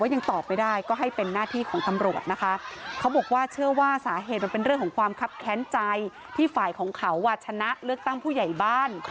จะระจากไกลเกลียกันได้ไหม